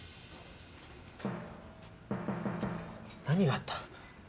何があった？